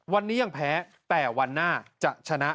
วันนี้ยังแพ้แต่วันหน้าจะชนะ